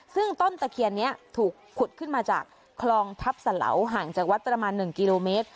ซึ่งต้นตะเคียนนี้ถูกขุดขึ้นมาจากคลองทัพสะเหลาห่างจากวัดประมาณ๑กิโลเมตร